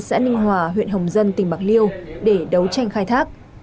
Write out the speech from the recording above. xã ninh hòa huyện hồng dân tỉnh bạc liêu để đấu tranh khai thác